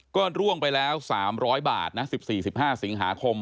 ก็ร่วงไปแล้ว๓๐๐บาทนะ๑๔๑๕สิงหาคม